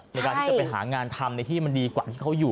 ในการที่จะไปหางานทำในที่มันดีกว่าที่เขาอยู่